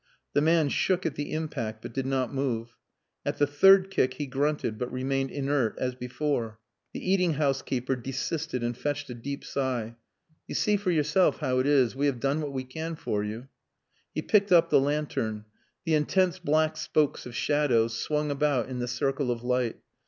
The man shook at the impact but did not move. At the third kick he grunted but remained inert as before. The eating house keeper desisted and fetched a deep sigh. "You see for yourself how it is. We have done what we can for you." He picked up the lantern. The intense black spokes of shadow swung about in the circle of light.